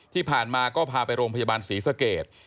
ที่ผ่านมาก็พาไปโรงพยาบาลศรีสเกต